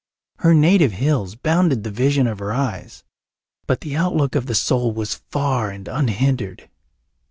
Her native hills bounded the vision of her eyes, but the outlook of the soul was far and unhindered.